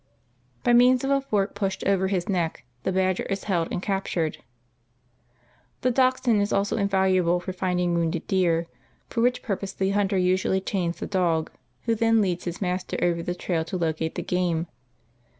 By means of a fork pushed over his neck the badger is held and captured. The Dachshund is also invaluable for finding wounded deer; for which purpose the hunter usually chains the dog, who then leads his master over the trail to locate the game.